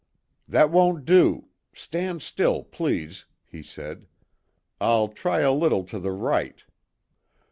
"That won't do. Stand still, please," he said. "I'll try a little to the right."